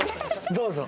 どうぞ。